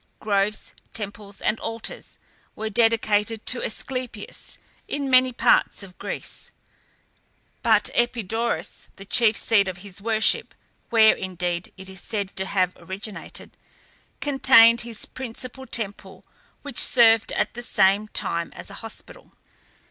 Groves, temples, and altars were dedicated to Asclepias in many parts of Greece, but Epidaurus, the chief seat of his worship, where, indeed, it is said to have originated, contained his principal temple, which served at the same time as a hospital.